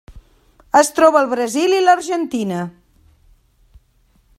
Es troba al Brasil i l'Argentina.